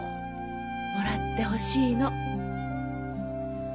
もらってほしいの。